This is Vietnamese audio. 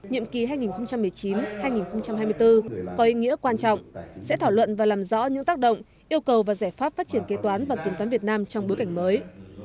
nhiệm kỳ hai nghìn một mươi chín hai nghìn hai mươi bốn có ý nghĩa quan trọng sẽ thảo luận và làm rõ những tác động yêu cầu và giải pháp phát triển kế toán và kiểm toán việt nam trong bối cảnh mới